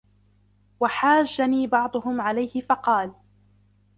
وَحَاجَّنِي بَعْضُهُمْ عَلَيْهِ فَقَالَ